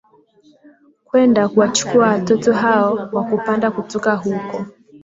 kwenda kuwachukua watoto hao wa kupanda kutoka huko